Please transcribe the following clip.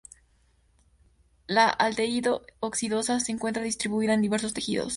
La aldehído oxidasa se encuentra distribuida en diversos tejidos.